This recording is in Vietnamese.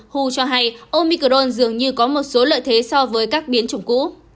hu cho hay omicron dường như có một số lợi thế so với các biến chủng cũ